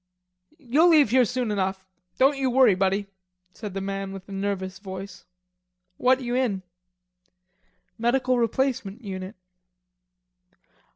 "You'll leave here soon enough. Don't you worry, buddy," said the man with the nervous voice. "What you in?" "Medical Replacement Unit."